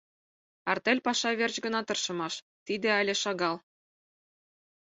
— Артель паша верч гына тыршымаш — тиде але шагал.